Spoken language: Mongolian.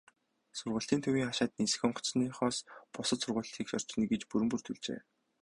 Сургалтын төвийн хашаанд нисэх онгоцныхоос бусад сургуулилалт хийх орчныг иж бүрэн бүрдүүлжээ.